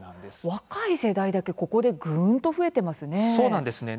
若い世代だけここで、ぐんと増えていますね。